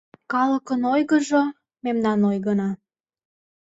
Калыкын ойгыжо — мемнан ойгына.